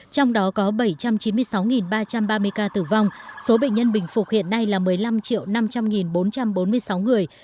trong đó có bảy trăm chín mươi sáu ba trăm ba mươi ca tử vong số bệnh nhân bình phục hiện nay là một mươi năm năm trăm linh bốn trăm bốn mươi sáu người